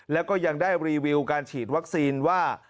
แล้วก็ยังได้รีวิวการฉีดวัคซีนว่า